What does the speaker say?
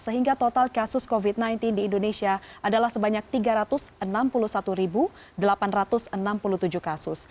sehingga total kasus covid sembilan belas di indonesia adalah sebanyak tiga ratus enam puluh satu delapan ratus enam puluh tujuh kasus